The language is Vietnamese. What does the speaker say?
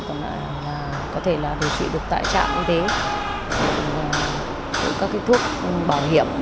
còn có thể là điều trị được tại trạm y tế đủ các cái thuốc bảo hiểm